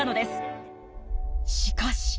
しかし。